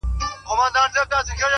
زړه مي له رباب سره ياري کوي،